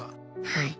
はい。